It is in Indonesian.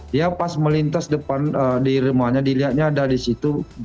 dia pas melintas depan di rumahnya dilihatnya ada di situ